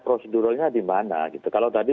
prosedurnya dimana gitu kalau tadi